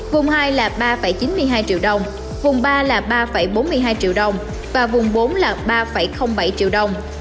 vùng hai là ba chín mươi hai triệu đồng vùng ba là ba bốn mươi hai triệu đồng và vùng bốn là ba bảy triệu đồng